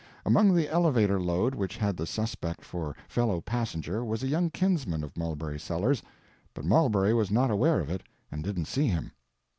Among the elevator load which had the suspect for fellow passenger was a young kinsman of Mulberry Sellers, but Mulberry was not aware of it and didn't see him.